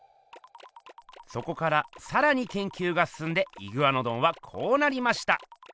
そこからさらにけんきゅうがすすんでイグアノドンはこうなりました。